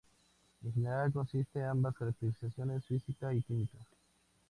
En general, consiste ambas caracterizaciones física y química.